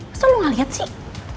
kenapa lu gak liat sih